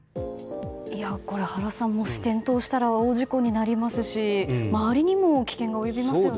原さん、もし転倒したら大事故になりますし周りにも危険が及びますよね。